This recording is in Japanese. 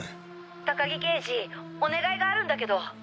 高木刑事お願いがあるんだけど。